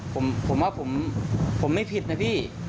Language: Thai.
ผมว่าผมไม่ผิดนะพี่